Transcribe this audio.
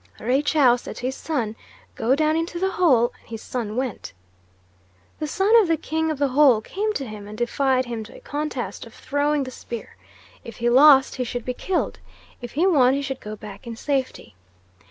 Raychow said to his son, 'Go down into the Hole' and his son went. The son of the King of the Hole came to him and defied him to a contest of throwing the spear. If he lost he should be killed, if he won he should go back in safety.